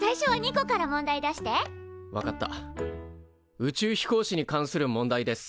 宇宙飛行士に関する問題です。